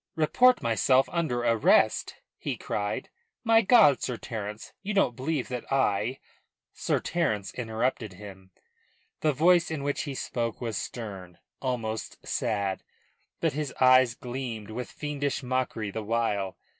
"Report myself under arrest?" he cried. "My God, Sir Terence, you don't believe that I " Sir Terence interrupted him. The voice in which he spoke was stern, almost sad; but his eyes gleamed with fiendish mockery the while.